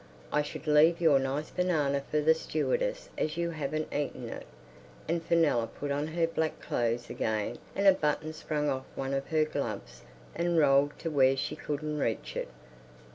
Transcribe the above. I should leave your nice banana for the stewardess as you haven't eaten it." And Fenella put on her black clothes again and a button sprang off one of her gloves and rolled to where she couldn't reach it.